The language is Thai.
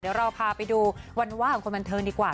เดี๋ยวเราพาไปดูวันว่าของคนบันเทิงดีกว่า